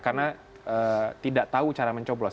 karena tidak tahu cara mencoblos